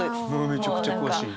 めちゃくちゃ詳しい！